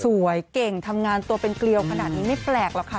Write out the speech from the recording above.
เก่งทำงานตัวเป็นเกลียวขนาดนี้ไม่แปลกหรอกค่ะ